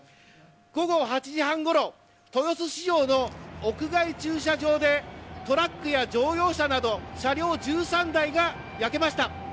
午後８時半ごろ豊洲市場の屋外駐車場でトラックや乗用車など車両１３台が焼けました。